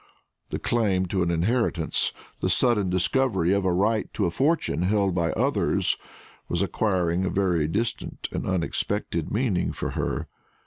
The claim to an inheritance, the sudden discovery of a right to a fortune held by others, was acquiring a very distinct and unexpected meaning for her.